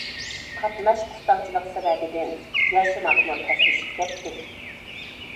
قاتناش قىستاڭچىلىقى سەۋەبىدىن ياشىماقمۇ تەسلىشىپ كەتتى.